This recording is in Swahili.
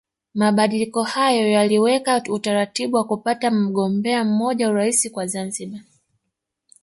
Mabadiliko hayo yaliweka utaratibu wa kupata mgombea mmoja wa Urais kwa Zanzibar